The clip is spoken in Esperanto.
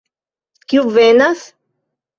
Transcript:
Kiu venas?